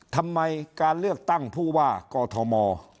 ทำไมการเลือกตั้งผู้ว่ากอทม